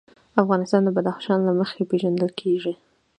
افغانستان د بدخشان له مخې پېژندل کېږي.